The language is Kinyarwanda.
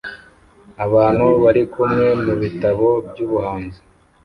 Abantu barikumwe mubitabo byubuhanzi